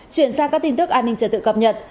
chuyển sang các tin tức an ninh trật tự cập nhật